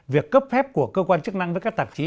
việc cấp phép của cơ quan chức năng với các tạp chí